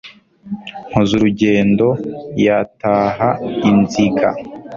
Nkozurugendo yataha i Nziga